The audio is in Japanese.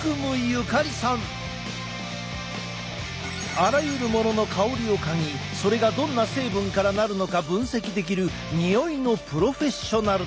あらゆるものの香りを嗅ぎそれがどんな成分からなるのか分析できるにおいのプロフェッショナルだ。